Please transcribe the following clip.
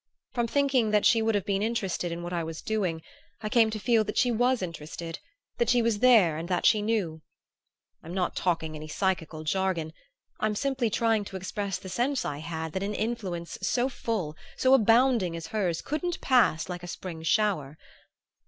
From thinking that she would have been interested in what I was doing I came to feel that she was interested that she was there and that she knew. I'm not talking any psychical jargon I'm simply trying to express the sense I had that an influence so full, so abounding as hers couldn't pass like a spring shower.